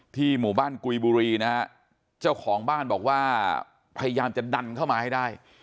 หมู่บ้านกุยบุรีนะฮะเจ้าของบ้านบอกว่าพยายามจะดันเข้ามาให้ได้